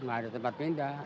enggak ada tempat pindah